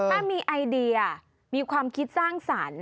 ถ้ามีไอเดียมีความคิดสร้างสรรค์